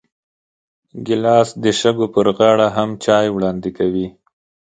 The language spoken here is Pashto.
ګیلاس د شګو پر غاړه هم چای وړاندې کوي.